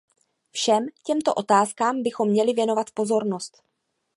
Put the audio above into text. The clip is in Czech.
Všem těmto otázkám bychom měli věnovat pozornost.